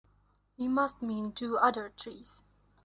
You must mean two other trees.